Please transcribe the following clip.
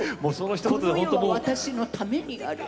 「この世は私のためにある」。